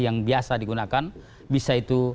yang biasa digunakan bisa itu